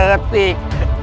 bangun arda lepak